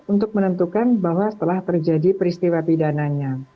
untuk menentukan bahwa setelah terjadi peristiwa pidananya